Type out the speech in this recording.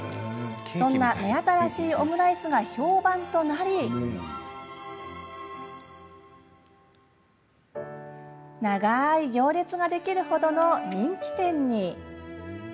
そんな目新しいオムライスが評判となり長い行列ができるほどの人気店に。